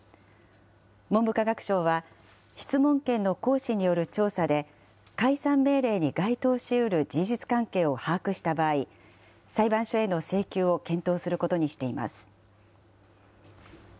文部科学省は、質問権の行使による調査で、解散命令に該当しうる事実関係を把握した場合、裁判所への請求を検討することにしています。